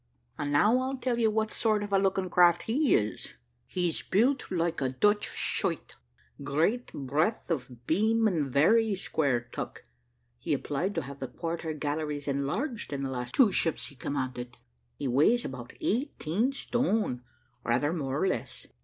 And now I'll tell you what sort of a looking craft he is. He's built like a Dutch schuyt, great breadth of beam, and very square tuck. He applied to have the quarter galleries enlarged in the two last ships he commanded. He weighs about eighteen stone, rather more than less.